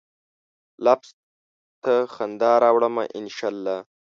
لفظ ته خندا راوړمه ، ان شا الله